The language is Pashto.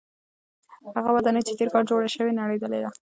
هغه ودانۍ چې تېر کال جوړه شوې وه نړېدلې ده.